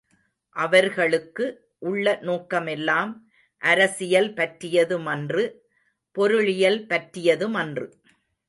அவர்களுக்கு உள்ள நோக்கமெல்லாம் அரசியல் பற்றியது மன்று பொருளியல் பற்றியது மன்று.